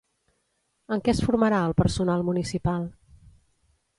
En què es formarà al personal municipal?